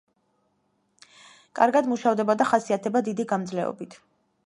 კარგად მუშავდება და ხასიათდება დიდი გამძლეობით.